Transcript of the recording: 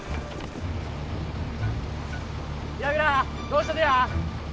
岩倉、どうしたとや！